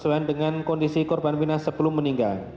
kondisi tersebut berkeselan dengan kondisi korban mirna sebelum meninggal